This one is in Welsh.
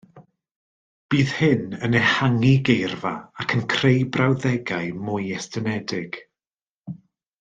Bydd hyn yn ehangu geirfa ac yn creu brawddegau mwy estynedig